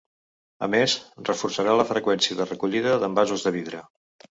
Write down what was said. A més, reforçarà la freqüència de recollida d’envasos de vidre.